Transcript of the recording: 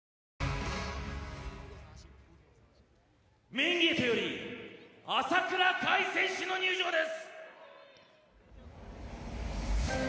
メインゲートより朝倉海選手の入場です。